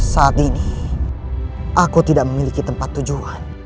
saat ini aku tidak memiliki tempat tujuan